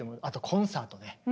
あとコンサートね。